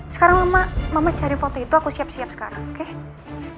sekarang mama cari foto itu aku siap siap sekarang oke